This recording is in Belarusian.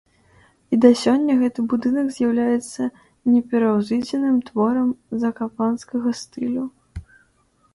І да сёння гэты будынак з'яўляецца непераўзыдзеным творам закапанскага стылю.